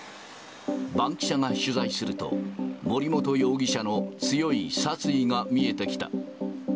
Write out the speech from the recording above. バンキシャが取材すると、森本容疑者の強い殺意が見えてきた。